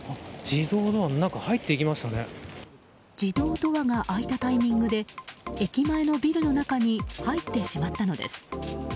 自動ドアが開いたタイミングで駅前のビルの中に入ってしまったのです。